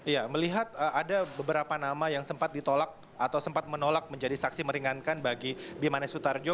ya melihat ada beberapa nama yang sempat ditolak atau sempat menolak menjadi saksi meringankan bagi bimanes sutarjo